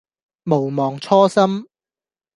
毋忘初心